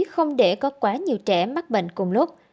không để có quá nhiều trẻ mắc bệnh cùng lúc